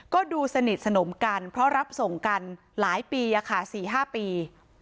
ก็ดูสนิทสนมกันเพราะรับส่งกันหลายปีอะค่ะสี่ห้าปี